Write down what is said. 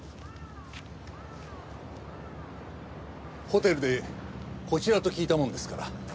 ホテルでこちらと聞いたもんですから。